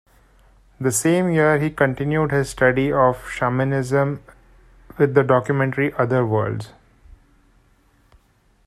The same year, he continued his study of shamanism with the documentary "Other Worlds".